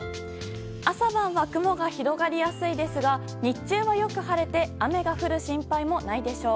朝晩は雲が広がりやすいですが日中は、よく晴れて雨が降る心配もないでしょう。